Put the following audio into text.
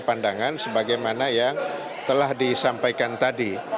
pandangan sebagaimana yang telah disampaikan tadi